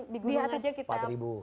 di gunung aja kita